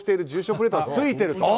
プレートがついていると。